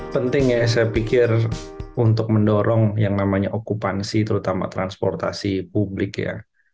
penting ya saya pikir untuk mendorong yang namanya okupansi terutama transportasi publik ya